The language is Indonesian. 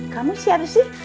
kamu siapa sih